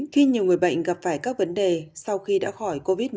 khi nhiều người bệnh gặp phải các vấn đề sau khi đã khỏi covid một mươi chín